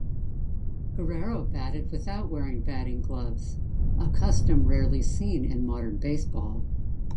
Guerrero batted without wearing batting gloves, a custom rarely seen in modern baseball.